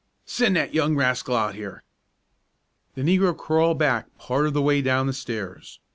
"Send that young rascal out here!" The negro crawled back part of the way down the stairs.